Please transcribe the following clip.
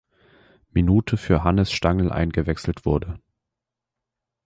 Minute für Hannes Stangl eingewechselt wurde.